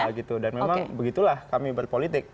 ya gitu dan memang begitulah kami berpolitik